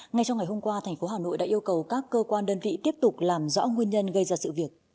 ngay trong ngày hôm qua thành phố hà nội đã yêu cầu các cơ quan đơn vị tiếp tục làm rõ nguyên nhân gây ra sự việc